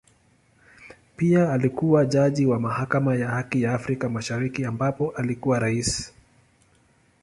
Pia alikua jaji wa Mahakama ya Haki ya Afrika Mashariki ambapo alikuwa Rais.